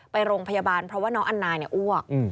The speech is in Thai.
ไปโรงพยาบาลเพราะว่าน้องอันนายอ้วก